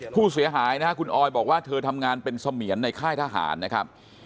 ผู้เสียหายนะครับคุณออยบอกว่าเธอทำงานเป็นเสมียนในค่ายทหารนะครับ